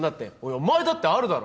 お前だってあるだろ？